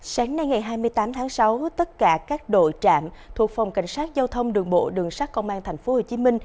sáng nay ngày hai mươi tám tháng sáu tất cả các đội trạm thuộc phòng cảnh sát giao thông đường bộ đường sát công an tp hcm